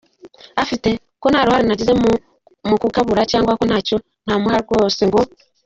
afite? Ko nta ruhare nagize mu kukabura cyangwa ko ntacyo ntamuha rwose ngo.